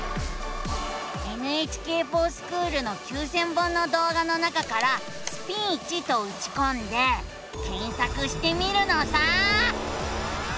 「ＮＨＫｆｏｒＳｃｈｏｏｌ」の９，０００本の動画の中から「スピーチ」とうちこんで検索してみるのさ！